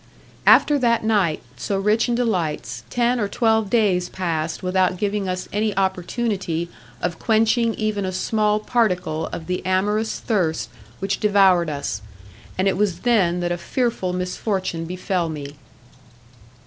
After that night, so rich in delights, ten or twelve days passed without giving us any opportunity of quenching even a small particle of the amorous thirst which devoured us, and it was then that a fearful misfortune befell me.